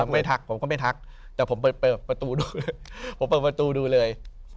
ไม่ทักผมก็ไม่ทักแต่ผมเปิดประตูดูเลย